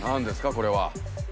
これは。